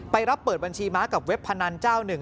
รับเปิดบัญชีม้ากับเว็บพนันเจ้าหนึ่ง